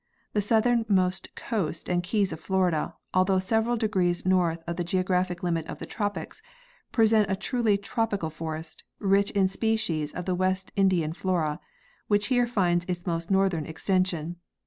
The southernmost coast and keys of Florida, although several decrees north of the geographic limit of the tropics, present a truly trop ical forest, rich in species of the West Indian flora, which here finds its most northern extension.